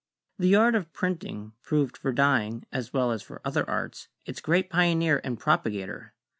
The art of printing proved for dyeing, as well as for other arts, its great pioneer and propagator.